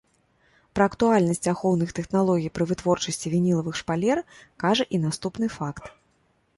Пра актуальнасць ахоўных тэхналогій пры вытворчасці вінілавых шпалер кажа і наступны факт.